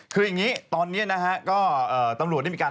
คืออย่างนี้ตอนนี้นะฮะก็ตำรวจได้มีการ